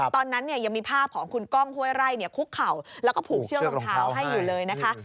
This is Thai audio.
ตอนนั้นยังมีภาพของคุณก้องห้วยไร่คุกเข่าแล้วก็ผูกเชือกรองเท้าให้อยู่เลยนะคะ